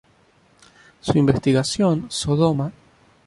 Su investigación "Sodoma.